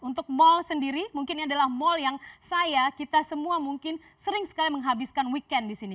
untuk mal sendiri mungkin ini adalah mal yang saya kita semua mungkin sering sekali menghabiskan weekend di sini